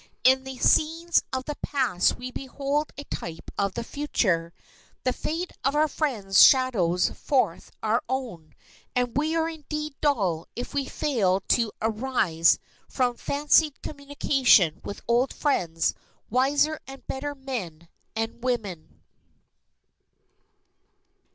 In the scenes of the past we behold a type of the future. The fate of our friends shadows forth our own, and we are indeed dull if we fail to arise from fancied communication with old friends wiser and better men and women.